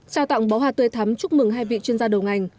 chào tặng bó hoa tuyệt thắm chúc mừng hai vị chuyên gia đầu ngành